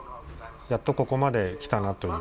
やっとここまで来たなという。